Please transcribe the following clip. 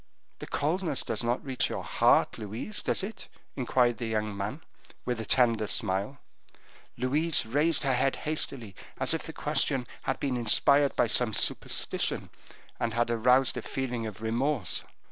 "This coldness does not reach your heart, Louise, does it?" inquired the young man, with a tender smile. Louise raised her head hastily, as if the question had been inspired by some suspicion, and had aroused a feeling of remorse.